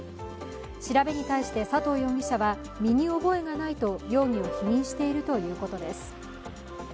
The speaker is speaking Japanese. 調べに対して佐藤容疑者は身に覚えがないと容疑を否認しているということです。